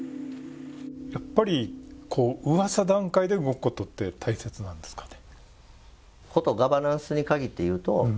やっぱりうわさ段階で動くことって大切なんですかね？